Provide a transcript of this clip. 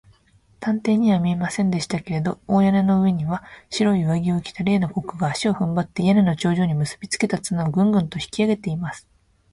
探偵には見えませんでしたけれど、大屋根の上には、白い上着を着た例のコックが、足をふんばって、屋根の頂上にむすびつけた綱を、グングンと引きあげています。